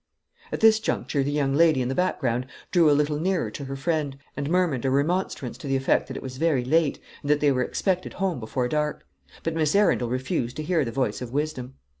At this juncture the young lady in the background drew a little nearer to her friend, and murmured a remonstrance to the effect that it was very late, and that they were expected home before dark; but Miss Arundel refused to hear the voice of wisdom.